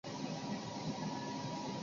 中国森林是曾在香港上市的林业公司。